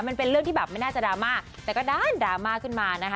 มันเป็นเรื่องที่แบบไม่น่าจะดราม่าแต่ก็ด้านดราม่าขึ้นมานะคะ